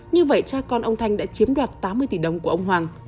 như vậy cha con ông thanh đã chiếm đoạt tám mươi tỷ đồng của ông hoàng